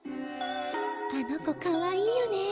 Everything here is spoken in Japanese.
あの子かわいいよね。